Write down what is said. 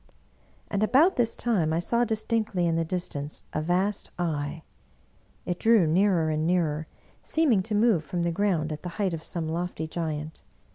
And about this time I saw distinctly in the distance a vast Eye. It drew nearer and nearer, seeming to move from the ground at the height of some lofty g^ant.